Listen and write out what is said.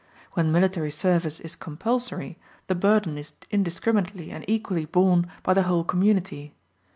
When military service is compulsory, the burden is indiscriminately and equally borne by the whole community.